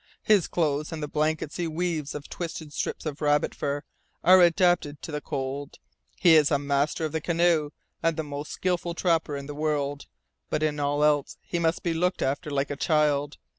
His clothes and the blankets he weaves of twisted strips of rabbit fur are adapted to the cold, he is a master of the canoe and the most skilful trapper in the world, but in all else he must be looked after like a child.